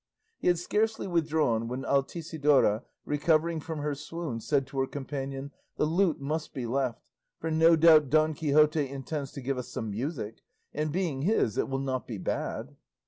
He had scarcely withdrawn when Altisidora, recovering from her swoon, said to her companion, "The lute must be left, for no doubt Don Quixote intends to give us some music; and being his it will not be bad."